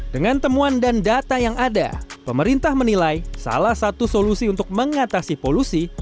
dengan temuan dan data yang ada pemerintah menilai salah satu solusi untuk mengatasi polusi